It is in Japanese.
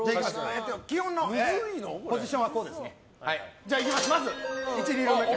ポジションはこうですね。